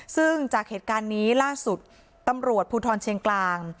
ซึ่งจากเหตุการณ์นี้ล่าสุดตำรวจภูทรเชียงกลาง